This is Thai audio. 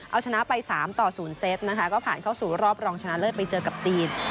เอาชนะไป๓ต่อ๐เซตนะคะก็ผ่านเข้าสู่รอบรองชนะเลิศไปเจอกับจีน